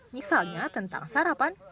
misalnya tentang sarapan